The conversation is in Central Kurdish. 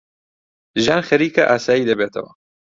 ژیان خەریکە ئاسایی دەبێتەوە.